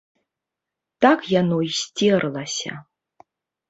Так яно і сцерлася.